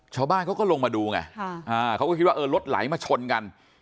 ชาวบ้านเขาก็ลงมาดูไงเขาก็คิดว่าเออรถไหลมาชนกัน